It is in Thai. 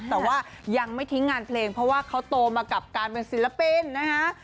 แต่ว่ายังไม่ทิ้งงานเพลงเพราะว่าเขาโตมากับการเป็นศิลปินนะฮะ